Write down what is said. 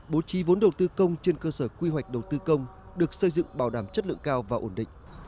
bố trí vốn đầu tư công trên cơ sở quy hoạch đầu tư công được xây dựng bảo đảm chất lượng cao và ổn định